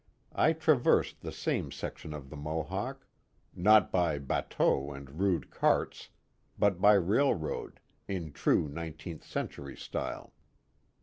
I traversed the same section of the Mohawk, not by bateaux and rude carts, but by railroad, in true nineteenth century style.